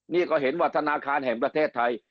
นี่ก็เห็นว่าธนาคารแห่งประเทศไทย